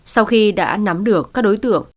sau khi đã nắm được các đối tượng